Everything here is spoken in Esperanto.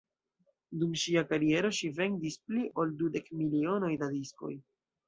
Dum ŝia kariero ŝi vendis pli ol dudek milionoj da diskoj.